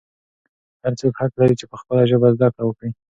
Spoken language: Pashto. هر څوک حق لري چې په خپله ژبه زده کړه وکړي.